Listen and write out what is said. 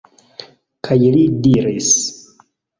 Kaj li diris: